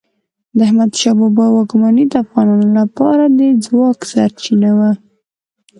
د احمد شاه بابا واکمني د افغانانو لپاره د ځواک سرچینه وه.